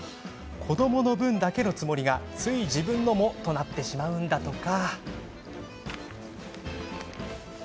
子どもの分だけのつもりがつい、自分のもとなってしまうんだとか。